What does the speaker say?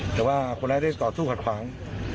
แต่ว่าคนร้ายได้ต่อสู้ขัดขวาง